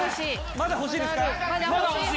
まだ欲しいですか？